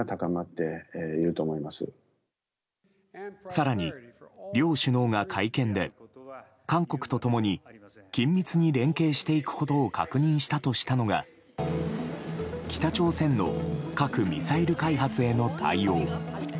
更に、両首脳が会見で韓国と共に緊密に連携していくことを確認したとしたのが北朝鮮の核・ミサイル開発への対応。